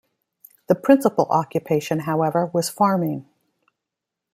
The principal occupation, however, was farming.